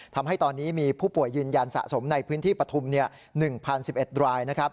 ทำให้ตอนนี้มีผู้ป่วยยืนยันสะสมในพื้นที่ปฐุม๑๐๑๑ราย